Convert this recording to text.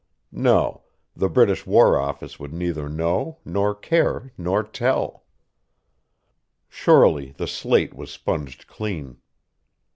No, the British War Office would neither know nor care nor tell. Surely the slate was sponged clean.